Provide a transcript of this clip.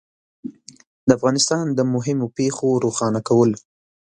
د افغانستان د مهمو پېښو روښانه کول